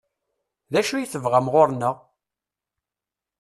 D acu i tebɣam ɣur-neɣ?